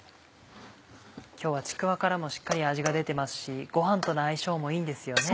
今日はちくわからもしっかり味が出てますしご飯との相性もいいんですよね？